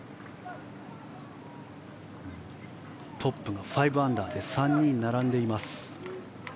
トップが５アンダーで３人並んでいます。